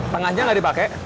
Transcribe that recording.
tengahnya nggak dipakai